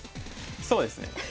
そうですね。